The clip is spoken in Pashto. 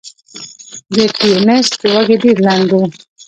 د تیوسینټ وږی ډېر لنډ و